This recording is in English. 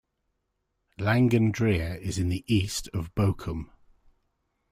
Langendreer is in the East of Bochum.